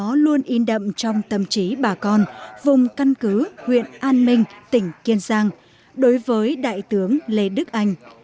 đó luôn in đậm trong tâm trí bà con vùng căn cứ huyện an minh tỉnh kiên giang đối với đại tướng lê đức anh